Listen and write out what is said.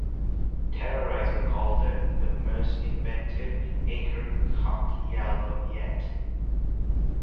"Terrorizer" called it "the most inventive Akercocke album yet".